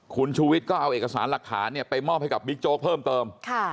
คุณชูวิทย์ก็เอาเอกสารหลักฐานไปมอบให้กับบิ๊กโจ๊กเพิ่มเติม